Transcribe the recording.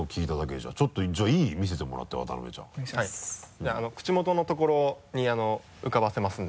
じゃあ口元のところに浮かばせますので。